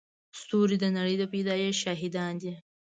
ستوري د نړۍ د پيدایښت شاهدان دي.